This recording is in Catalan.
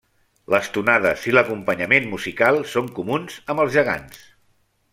Les tonades i l'acompanyament musical són comuns amb els gegants.